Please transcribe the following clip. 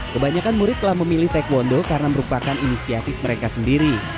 kebanyakan murid telah memilih taekwondo karena merupakan inisiatif mereka sendiri